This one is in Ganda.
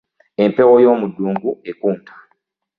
Empewo y'omuddungu ekunta.